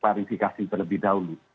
klarifikasi terlebih dahulu